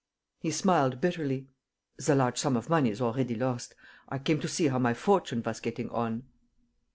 He smiled bitterly. "The large sum of money is already lost. I came to see how my fortune was getting on."